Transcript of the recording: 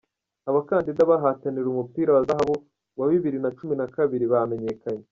Abakandida bahatanira umupira wa Zahabu wa bibiri na cumi nakabiri bamenyekanye